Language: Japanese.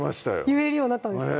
言えるようになったんですね